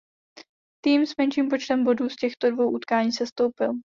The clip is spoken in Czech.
Tým s menším počtem bodů z těchto dvou utkání sestoupil.